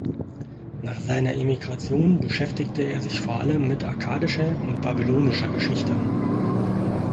Nach seiner Emigration beschäftigte er sich vor allem mit akkadischer und babylonischer Geschichte.